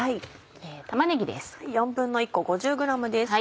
玉ねぎです。